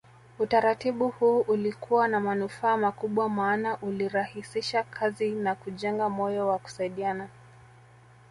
Utaratibu huu ulikuwa na manufaa makubwa maana ulirahisisha kazi na kujenga moyo wa kusaidiana